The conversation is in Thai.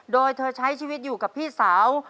โดยเธอใช้ชีวิตอยู่กับพี่สาว